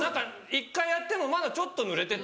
一回やってもまだちょっとぬれてて。